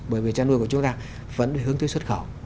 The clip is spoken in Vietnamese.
bởi vì chăn nuôi của chúng ta vẫn hướng tới xuất khẩu